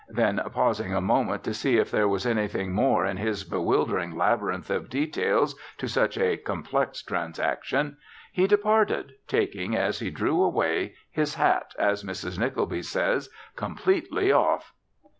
Then, pausing a moment to see if there was anything more in this bewildering labyrinth of details to such a complex transaction, he departed, taking, as he drew away, his hat, as Mrs. Nickleby says, "completely off."